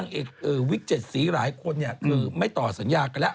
เขาบอกว่าถ้าวอดอยู่ดีดีทาทา